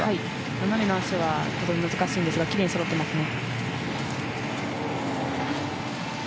斜めの足は非常に難しいんですがきれいにそろっていますね。